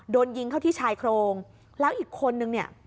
โดนยิงเข้าที่ชายโครงแล้วอีกคนนึงเนี่ย